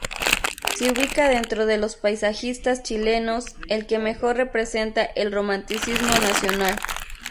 Se ubica dentro de los paisajistas chilenos, el que mejor representa el romanticismo nacional.